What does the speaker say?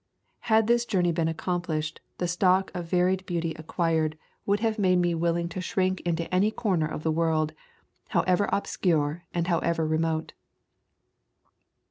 Had this journey been accomplished, the stock of varied beauty acquired would have [ xi ] Introduction made me willing to shrink into any corner of the world, however obscure and however re mote."